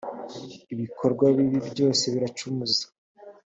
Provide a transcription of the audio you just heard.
ibikorwa bibi byose biracumuza